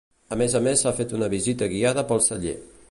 A més a més s’ha fet una visita guiada pel celler.